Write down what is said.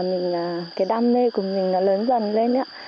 mình là cái đam mê của mình nó lớn dần lên ạ